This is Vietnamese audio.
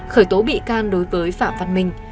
khởi tố bị can đối với phạm văn minh